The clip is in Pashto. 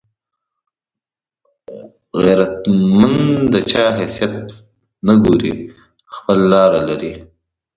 غیرتمند د چا حیثیت ته نه ګوري، خپله لار لري